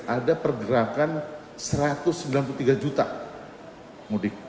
ada pergerakan satu ratus sembilan puluh tiga juta mudik